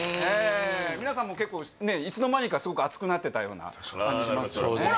皆さんも結構いつの間にかすごく熱くなってたような感じしましたよね